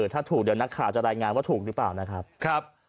ถ้าถูกเดี๋ยวนักข่าวจะรายงานว่าถูกหรือเปล่านะครับ